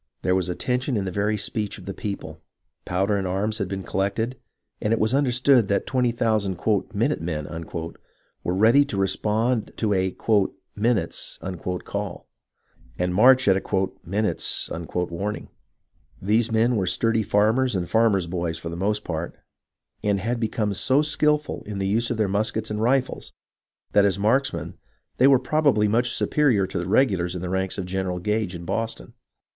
There was a tension in the very speech of the people. Powder and arms had been collected, and it was understood that twenty thousand " minute men " were ready to respond to a " minute's " call, and march at a " minute's " warning. These men were sturdy farmers and farmers' boys for the most part, and had become so skilful in the use of their muskets and rifles, that as marksmen they were probably much superior to the regulars in the ranks of Gen eral Gage in Boston.